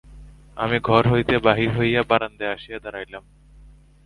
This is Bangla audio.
আমি ঘর হইতে বাহির হইয়া বারান্দায় আসিয়া দাঁড়াইলাম।